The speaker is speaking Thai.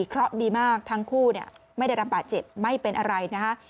เพราะดีมากทั้งคู่ไม่ได้รับบาดเจ็บไม่เป็นอะไรนะคะ